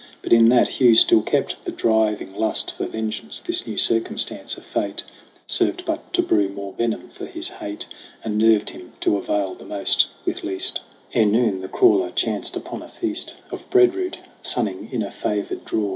But, in that Hugh still kept the driving lust For vengeance, this new circumstance of fate Served but to brew more venom for his hate, And nerved him to avail the most with least. THE CRAWL 41 Ere noon the crawler chanced upon a feast Of bread root sunning in a favored draw.